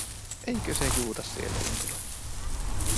Eikö se Juutas sieltä jo tule?